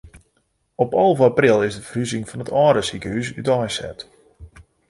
Op alve april is de ferhuzing fan it âlde sikehús úteinset.